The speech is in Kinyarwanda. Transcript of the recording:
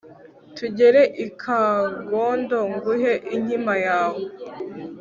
tugere i kagondo nguhe inkima yawe